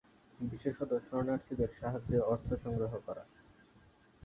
বিশেষত শরণার্থীদের সাহায্যে অর্থ সংগ্রহ করা।